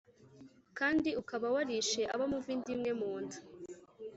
kandi ukaba warishe abo muva inda imwe mu nda